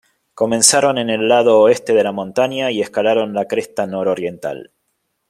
Comenzaron en el lado oeste de la montaña y escalaron la cresta nororiental.